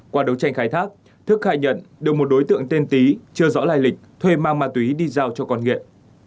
qua đấu tranh khai thác thức khai nhận được một đối tượng tên tý chưa rõ lai lịch thuê mang ma túy đi giao cho con nghiện